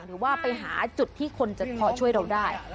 หรือว่าไปหาจุดที่คนจะพอช่วยเราได้